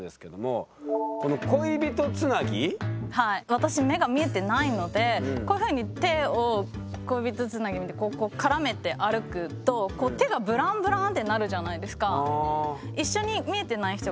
私目が見えてないのでこういうふうに手を恋人つなぎみたいにこう絡めて歩くとこう手がブランブランってなるじゃないですか。